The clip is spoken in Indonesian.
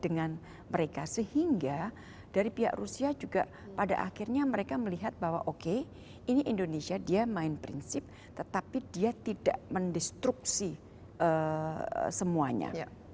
dengan mereka sehingga dari pihak rusia juga pada akhirnya mereka melihat bahwa oke ini indonesia dia main prinsip tetapi dia tidak mendistruksi semuanya